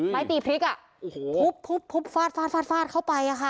ไม้ตีพริกอะทุบทุบทุบฟาดฟาดเข้าไปอะค่ะ